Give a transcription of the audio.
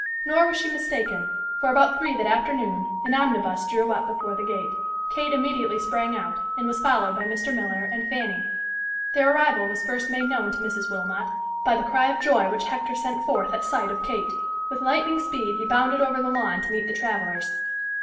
Nor was she mistaken, for about three that afternoon, an omnibus drew up before the gate. Kate immediately sprang out, and was followed by Mr. Miller and Fanny. Their arrival was first made known to Mrs. Wilmot by the cry of joy which Hector sent forth at sight of Kate. With lightning speed he bounded over the lawn to meet the travelers.